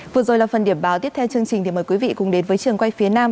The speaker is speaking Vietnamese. vừa rồi là phần điểm báo tiếp theo chương trình thì mời quý vị cùng đến với trường quay phía nam